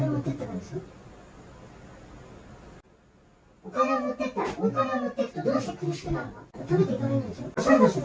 お金を持っていった、お金を持っていくと、どうして苦しくなるの？